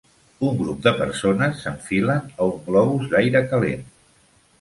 Un grup de persones s'enfilen a un globus d'aire calent.